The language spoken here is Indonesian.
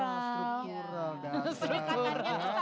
pendekatannya itu sangat edukatif